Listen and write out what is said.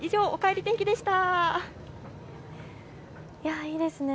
おかえり天気でした。